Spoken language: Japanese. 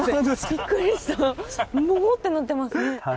びっくりしたモコってなってますね。